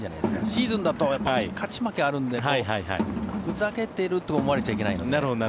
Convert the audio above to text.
シーズンだと勝ち負けがあるんでふざけていると思われちゃいけないので。